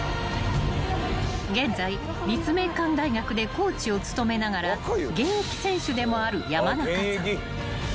［現在立命館大学でコーチを務めながら現役選手でもある山中さん］